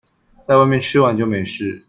在外面吃完就沒事